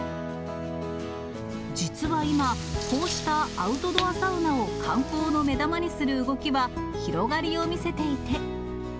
実は今、こうしたアウトドアサウナを観光の目玉にする動きは広がりを見せていて。